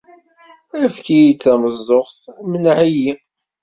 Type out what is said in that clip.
Efk-iyi-d tameẓẓuɣt, mneɛ-iyi!